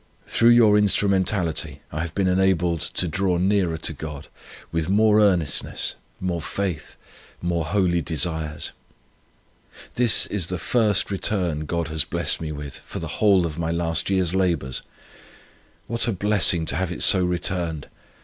Through your instrumentality I have been enabled to draw nearer to God, with more earnestness, more faith, more holy desires. This is the first return God has blessed me with for the whole of my last year's labours. What a blessing to have it so returned!